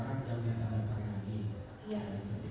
saudara kita akan berhasil